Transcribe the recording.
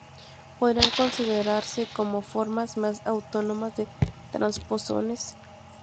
Podrían considerarse como formas más autónomas de transposones.